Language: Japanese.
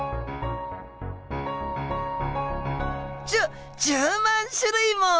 じゅ１０万種類も！